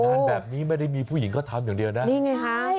งานแบบนี้ไม่ได้มีผู้หญิงเขาทำอย่างเดียวนะนี่ไงฮะ